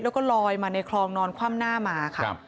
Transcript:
แล้วก็ลอยมาในคลองนอนคว่ำหน้ามาค่ะ